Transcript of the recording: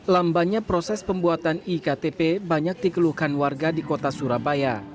lambannya proses pembuatan iktp banyak dikeluhkan warga di kota surabaya